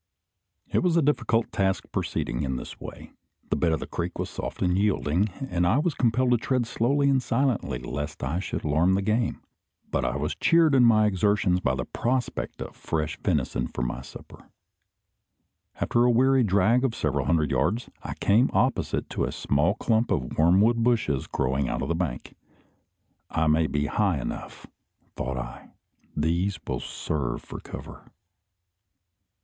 It was a difficult task proceeding in this way. The bed of the creek was soft and yielding, and I was compelled to tread slowly and silently lest I should alarm the game; but I was cheered in my exertions by the prospect of fresh venison for my supper. After a weary drag of several hundred yards, I came opposite to a small clump of wormwood bushes growing out of the bank. "I may be high enough," thought I; "these will serve for cover."